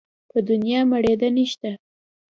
په دونيا مړېده نه شته.